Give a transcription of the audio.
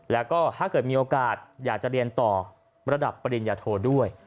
แล้วก็ถ้าเกิดมีโอกาสอยากจะเรียนต่อระดับปริญญาโทด้วย